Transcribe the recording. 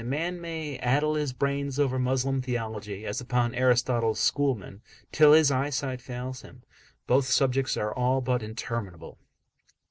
A man may addle his brains over Moslem theology, as upon Aristotle's schoolmen, till his eyesight fails him both subjects are all but interminable.